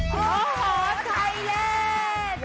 โอ้โฮไทยเล่น